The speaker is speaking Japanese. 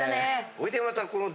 ほいでまたこの。